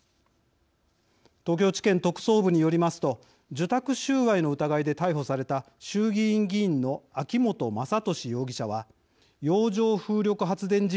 東京地検特捜部によりますと受託収賄の疑いで逮捕された衆議院議員の秋本真利容疑者は洋上風力発電事業を巡り